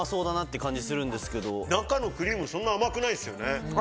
中のクリームそんな甘くないですよね。